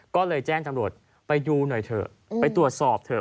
ก็เลยแจ้งจำรวจไปดูหน่อยเถอะไปตรวจสอบเถอะ